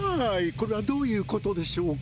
これはどういうことでしょうか？